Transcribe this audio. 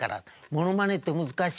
「ものまねって難しいでしょ？」。